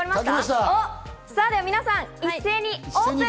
では皆さん、一斉にオープン！